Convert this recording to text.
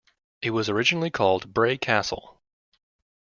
It was originally called Bray Castle.